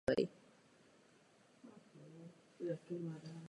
Verne je tak zakladatelem technologického proudu science fiction.